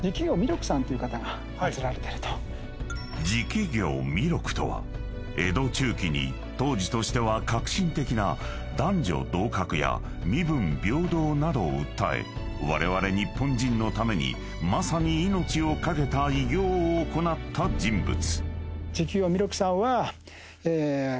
［食行身禄とは江戸中期に当時としては革新的な男女同格や身分平等などを訴えわれわれ日本人のためにまさに命を懸けた偉業を行った人物］